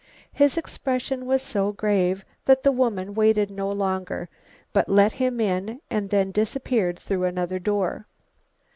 His expression was so grave that the woman waited no longer, but let him in and then disappeared through another door.